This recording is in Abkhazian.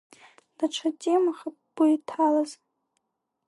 Даҽа темахап бгәы иҭалаз?